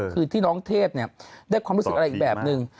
คือที่น้องเทพได้ความรู้สึกอะไรอีกแบบนึง